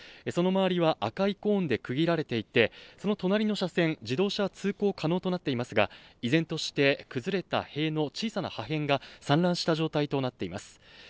その周りは赤いコーンで区切られていて、その隣の車線、自動車通行可能となっていますが、依然として崩れた塀の小さな破片が散乱した状態となっています。